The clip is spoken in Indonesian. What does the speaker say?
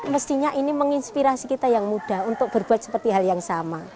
mestinya ini menginspirasi kita yang muda untuk berbuat seperti hal yang sama